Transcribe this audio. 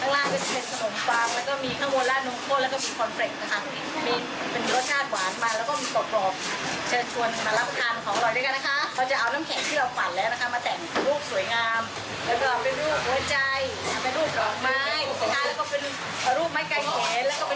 แล้วก็มีข้าวโบนล่ารุงโพนแล้วก็มีคอนเฟรกส์นะคะรสชาติหวานมัน